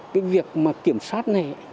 cái việc mà kiểm soát này